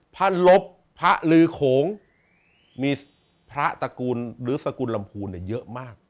พระลบพระลือโขงมีพระตระกูลหรือสกุลลำพูนเยอะมาก